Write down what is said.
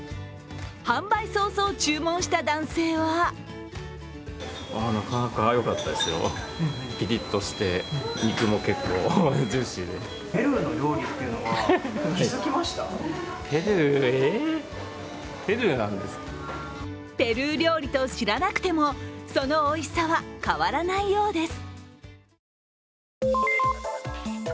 販売早々、注文した男性はペルー料理と知らなくてもそのおいしさは変わらないようです。